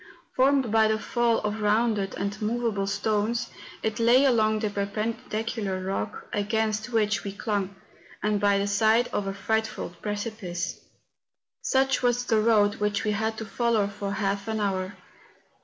Formed by the fall of rounded and moveable stones, it lay along the perpendicular rock, against which we clung, and by the side of a frightful precipice. Such was the road which we had to follow for half an hour.